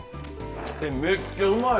めっちゃうまいわ。